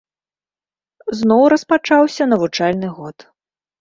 Зноў распачаўся навучальны год.